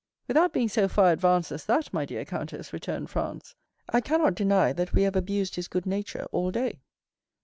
"Without being so far advanced as that, my dear countess," returned Franz, "I cannot deny that we have abused his good nature all day."